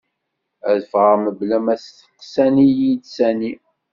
Ad fɣeɣ mebla ma steqsan-iyi-d sani.